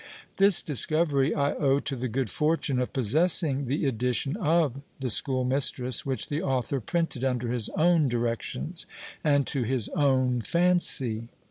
This discovery I owe to the good fortune of possessing the edition of "The School Mistress," which the author printed under his own directions, and to his own fancy.